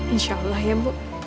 insya allah ya bu